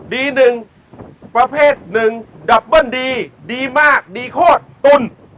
หนึ่งประเภทหนึ่งดับเบิ้ลดีดีมากดีโคตรตุ้น